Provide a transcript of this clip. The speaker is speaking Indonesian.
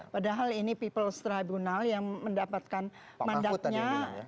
padahal ini people's tribunal yang mendapatkan mandatnya